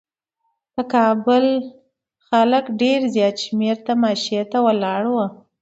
د کابل خلک ډېر زیات شمېر تماشې ته ولاړ وو.